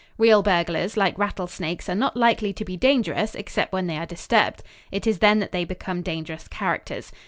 Real burglars, like rattlesnakes, are not likely to be dangerous except when they are disturbed. It is then that they become dangerous characters.